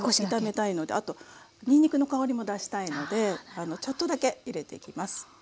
あとにんにくの香りも出したいのでちょっとだけ入れていきます。